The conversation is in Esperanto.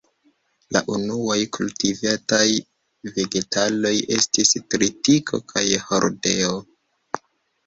La unuaj kultivitaj vegetaloj estis tritiko kaj hordeo.